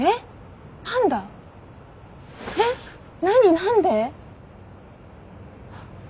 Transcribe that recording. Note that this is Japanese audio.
何で？